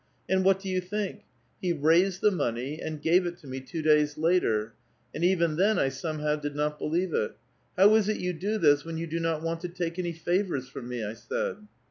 And what do you think ? he raised the money, and gave it to me two days later ; and even then I somehow did not believe it. * How is it you do this when 3'ou do not want to take any favors from me?' I said.